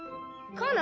カナ？